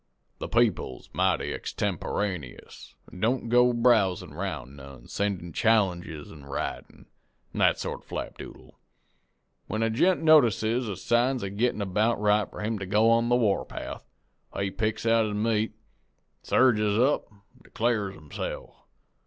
The people's mighty extemporaneous, an' don't go browsin' 'round none sendin' challenges in writin', an' that sort of flapdoodle. When a gent notices the signs a gettin' about right for him to go on the war path, he picks out his meat, surges up, an' declares himse'f.